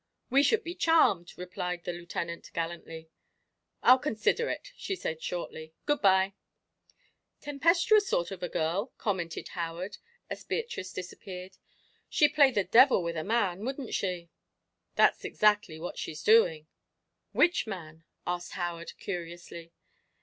"We should be charmed," replied the Lieutenant, gallantly. "I'll consider it," she said shortly. "Good bye!" "Tempestuous sort of a girl," commented Howard, as Beatrice disappeared. "She'd play the devil with a man, wouldn't she?" "That's exactly what she's doing." "Which man?" asked Howard, curiously.